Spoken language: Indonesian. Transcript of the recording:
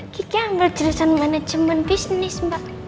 kita ambil jurusan manajemen bisnis mbak